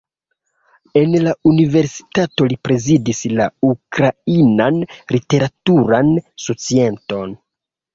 En la universitato li prezidis la Ukrainan literaturan societon.